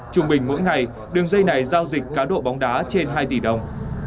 trung bình mỗi ngày đường dây này giao dịch cá độ bóng đá trên hai tỷ đồng